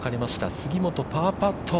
杉本、パーパット。